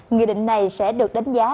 nghị định này sẽ được đánh giá